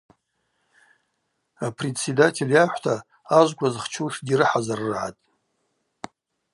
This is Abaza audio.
Апредседатель йахӏвта ажвква зхчуш дирыхӏазырргӏатӏ.